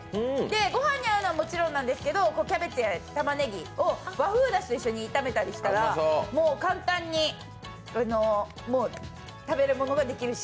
ご飯に合うのはもちろんなんですけど、キャベツやたまねぎと和風だしで一緒に炒めたらもう簡単に食べるものができるし。